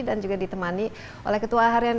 dan juga ditemani oleh ketua harian